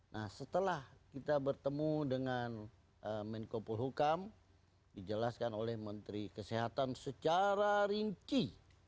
nah setelah kita bertemu dengan menko polhukam dijelaskan oleh menteri kesehatan secara rinci